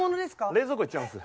冷蔵庫いっちゃいます。